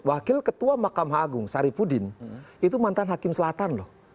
wakil ketua makam ha'agung sari pudin itu mantan hakim selatan loh